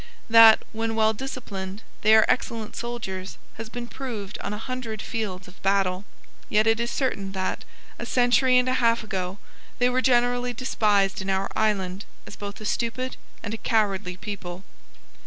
That, when well disciplined, they are excellent soldiers has been proved on a hundred fields of battle. Yet it is certain that, a century and a half ago, they were generally despised in our island as both a stupid and a cowardly people.